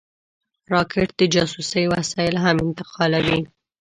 راکټ د جاسوسۍ وسایل هم انتقالوي